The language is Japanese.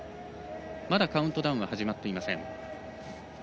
まだカウントダウンは始まっていません。